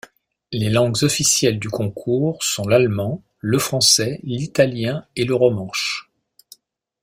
Les langues officielles du concours sont l'allemand, le français, l'italien et le romanche.